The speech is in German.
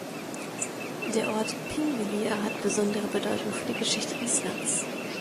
Der Ort Þingvellir hat besondere Bedeutung für die Geschichte Islands.